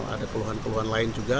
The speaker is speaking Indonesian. ada keluhan keluhan lain juga